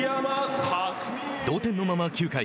同点のまま９回。